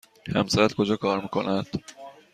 همسرت کجا کار می کند؟